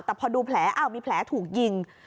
แต่พอดูแผลอ้าวมีแผลถูกยิง